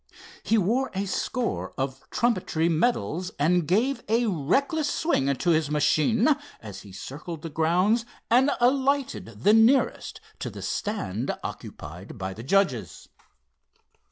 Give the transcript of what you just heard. He wore a score of trumpetry medals, and gave a reckless swing to his machine as he circled the grounds and alighted the nearest to the stand occupied by the judges.